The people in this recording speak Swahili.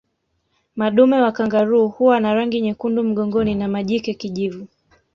Madume wa kangaroo huwa na rangi nyekundu mgongoni na majike kijivu